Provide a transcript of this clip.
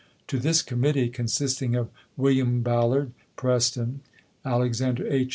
To this committee, consisting of William Ballard Preston, Alexander H.